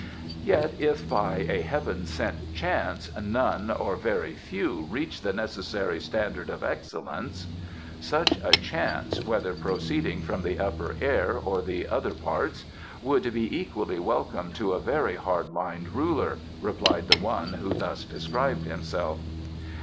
"Yet if by a heaven sent chance none, or very few, reached the necessary standard of excellence ?" "Such a chance, whether proceeding from the Upper Air or the Other Parts would be equally welcome to a very hard lined Ruler," replied the one who thus described himself.